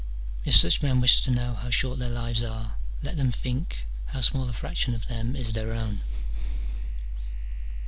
If such men wish to know how short their lives are, let them think how small a fraction of them is their own.